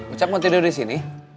ustaz mau tidur disini